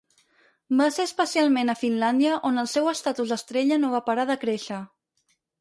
Va ser especialment a Finlàndia on el seu estatus d'estrella no va parar de créixer.